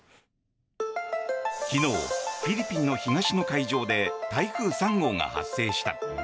昨日、フィリピンの東の海上で台風３号が発生した。